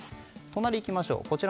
隣にいきましょう。